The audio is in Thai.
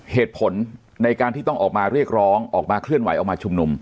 เหตุผลในการที่ต้องออกมาเรียกร้องออกมาเคลื่อนไหวออกมาชุมนุม